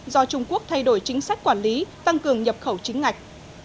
do trung quốc thay đổi chính sách quản lý tăng cường nhập khẩu chính ngạch